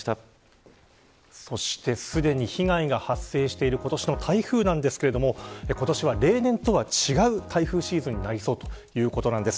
そして、すでに被害が発生している今年の台風ですが今年は例年とは違う台風シーズンになりそうということです。